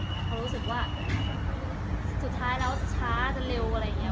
เพราะรู้สึกว่าสุดท้ายแล้วช้าจะเร็วอะไรอย่างนี้